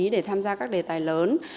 để tham gia các đề tài lớn